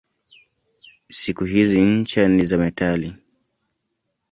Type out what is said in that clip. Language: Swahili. Siku hizi ncha ni za metali.